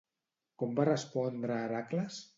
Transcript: Com va respondre Heracles?